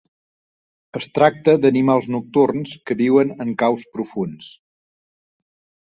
Es tracta d'animals nocturns que viuen en caus profunds.